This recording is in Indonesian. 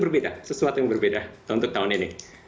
berbeda sesuatu yang berbeda untuk tahun ini